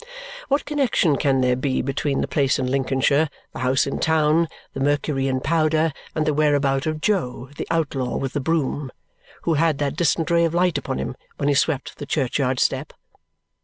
What connexion can there be between the place in Lincolnshire, the house in town, the Mercury in powder, and the whereabout of Jo the outlaw with the broom, who had that distant ray of light upon him when he swept the churchyard step?